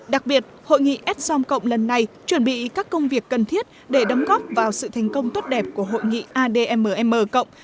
đặc biệt hội nghị s som cộng lần này chuẩn bị các công việc cần thiết để đóng góp vào sự thành công tốt đẹp của hội nghị admm cộng